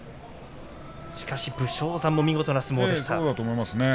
しかし武将山も見事な相撲でした。